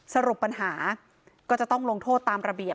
สรุปปัญหาก็จะต้องลงโทษตามระเบียบ